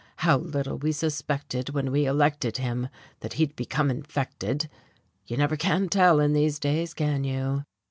How little we suspected when we elected him that he'd become infected. You never can tell, in these days, can you?"